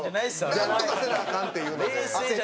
なんとかせなアカンっていうので。